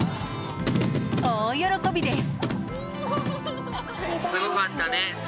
大喜びです。